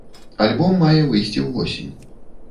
Альбом мае выйсці ўвосень.